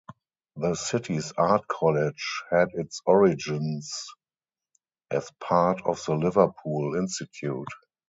The city's Art College had its origins as part of the Liverpool Institute.